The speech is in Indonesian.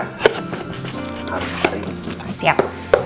hari hari kita siap